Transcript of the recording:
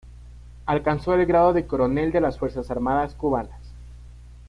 Alcanzó el grado de coronel de las fuerzas armadas cubanas.